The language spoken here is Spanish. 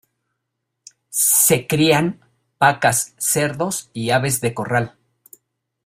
Se crían vacas, cerdos y aves de corral.